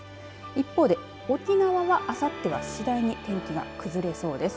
一方で沖縄があす、あさっては次第に天気が崩れそうです。